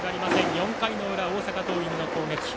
４回裏、大阪桐蔭の攻撃。